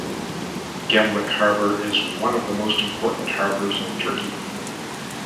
Gemlik harbor is one of the most important harbors in Turkey.